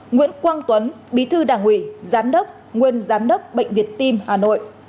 nguyễn quang tuấn bí thư đảng ủy giám đốc nguyên giám đốc bệnh viện tim hà nội